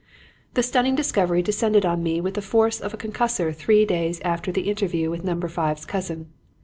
"The stunning discovery descended on me with the force of a concussor three days after the interview with Number Five's cousin.